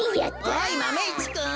おいマメ１くん。